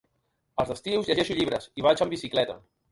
Els estius llegeixo llibres i vaig amb bicicleta.